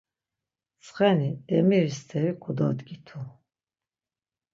Ntsxeni demiri steri kododgitu.